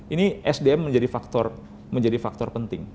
ini sdm menjadi faktor menjadi faktor penting